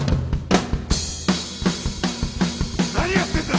何やってんだ！